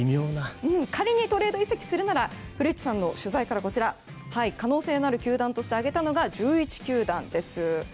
仮にトレード移籍するなら古内さんの取材から可能性のある球団として挙げたのが１１球団です。